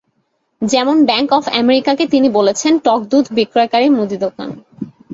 যেমন bank of আমেরিকাকে তিনি বলেছেন টক দুধ বিক্রয়কারী মুদি দোকান।